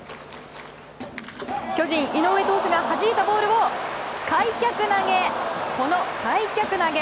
巨人、井上投手がはじいたボールを開脚投げ！